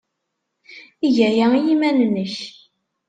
Eg aya i yiman-nnek.